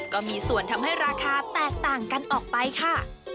ก็มีส่วนทำให้ราคาแตกต่างกันออกไปค่ะ